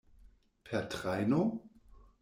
Per trajno?